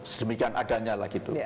sedemikian adanya lah gitu